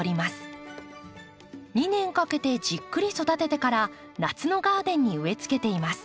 ２年かけてじっくり育ててから夏のガーデンに植えつけています。